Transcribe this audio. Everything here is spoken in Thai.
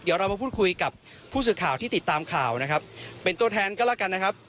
เดี๋ยวเรามาพูดคุยกับผู้สื่อข่าวที่ติดตามข่าวนะครับเป็นตัวแทนก็แล้วกันนะครับ